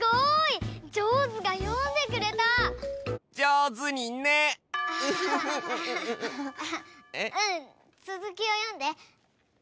うんつづきを読んで！